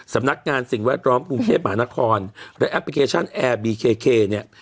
สำนักงานสิ่งแวดล้อมกรุงเทพมหานครและแอปพลิเคชันแอร์บีเคเนี่ย